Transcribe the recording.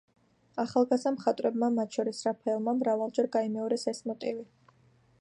ახალგაზრდა მხატვრებმა, მათ შორის რაფაელმა, მრავალჯერ გაიმეორეს ეს მოტივი.